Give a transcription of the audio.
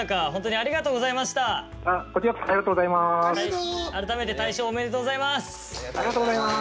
☎ありがとうございます。